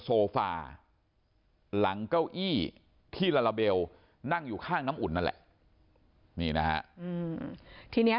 โซฟาหลังเก้าอี้ที่ลาลาเบลนั่งอยู่ข้างน้ำอุ่นนั่นแหละนี่นะฮะทีเนี้ย